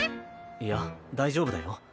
いや大丈夫だよ。